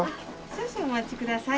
少々お待ちください。